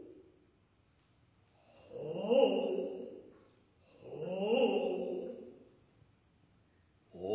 ほうほう。